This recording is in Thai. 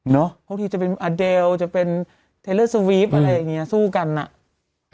บางทีจะเป็นอาเดลจะเป็นเทเลอร์สวีปอะไรอย่างนี้สู้กันอ่ะ